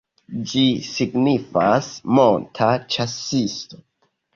Ĝi signifas "monta ĉasisto".